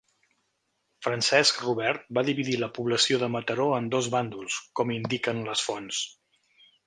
Francesc Robert va dividir la població de Mataró en dos bàndols, com indiquen les fonts.